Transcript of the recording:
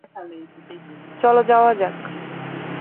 চলো যাওয়া যাক!